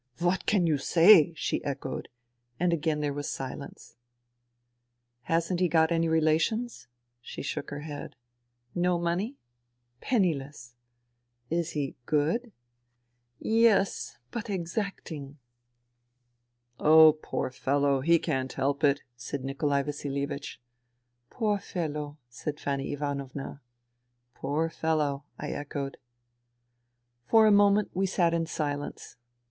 " What can you say !" she echoed ; and again there was silence. " Hasn't he got any relations ?" I asked. She shook her head. " No money ?"" Penniless." THE REVOLUTION 98 " Is he ... good ?"" Yes, but ... exacting." " Oh, poor fellow, he can't help it," said Nikolai IVasilievich. " Poor fellow," said Fanny Ivanovna. " Poor fellow," I echoed. For a moment we sat in silence.